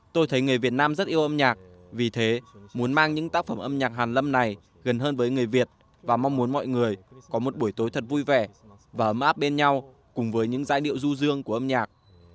tôi thấy người việt nam rất yêu âm nhạc vì thế muốn mang những tác phẩm âm nhạc hàn lâm này gần hơn với người việt và mong muốn mọi người có một buổi tối thật vui vẻ và ấm áp bên nhau cùng với những giai điệu du dương của âm nhạc